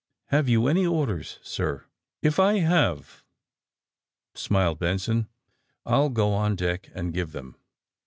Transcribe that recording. Have yon any orders, sir?'' *^If I have,'' smiled Benson, *^I'll go on deck and give them."